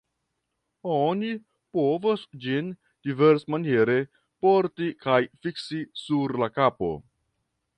Oni povas ĝin diversmaniere porti kaj fiksi sur la kapo.